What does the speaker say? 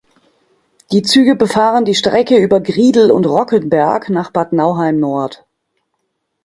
Die Züge befahren die Strecke über Griedel und Rockenberg nach Bad Nauheim Nord.